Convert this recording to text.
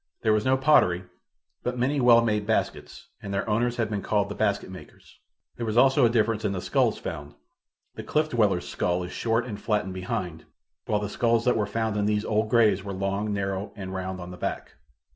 There was no pottery, but many well made baskets, and their owners have been called the basket makers. There was also a difference in the skulls found. The cliff dwellers' skull is short and flattened behind, while the skulls that were found in these old graves were long, narrow and round on the back.